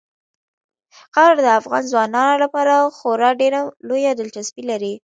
خاوره د افغان ځوانانو لپاره خورا ډېره لویه دلچسپي لري.